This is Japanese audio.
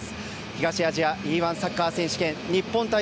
東アジアＥ‐１サッカー選手権日本対